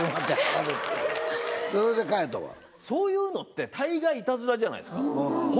⁉そういうのって大概イタズラじゃないっすか。